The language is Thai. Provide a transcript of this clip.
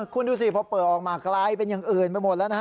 คุณดูสิพอเปิดออกมากลายเป็นอย่างอื่นไปหมดแล้วนะฮะ